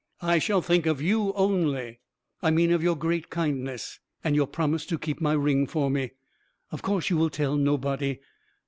"I shall think of you only I mean of your great kindness, and your promise to keep my ring for me. Of course you will tell nobody.